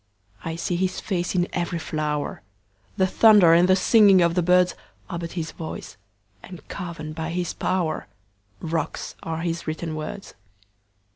I see his face in every flower; The thunder and the singing of the birdsAre but his voice—and carven by his powerRocks are his written words.